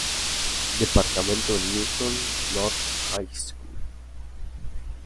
Departamento en Newton North High School.